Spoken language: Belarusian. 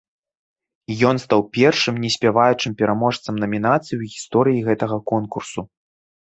Ён стаў першым неспяваючым пераможцам намінацыі ў гісторыі гэтага конкурсу.